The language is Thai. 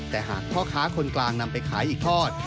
แต่หากพ่อค้าคนกลางนำไปขายอีกทอด